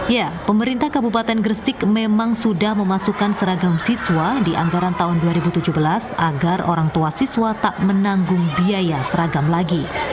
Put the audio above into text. ya pemerintah kabupaten gresik memang sudah memasukkan seragam siswa di anggaran tahun dua ribu tujuh belas agar orang tua siswa tak menanggung biaya seragam lagi